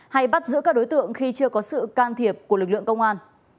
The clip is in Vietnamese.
hay bắt giữ các đối tượng khi chưa có sự can thiệp của lực lượng công an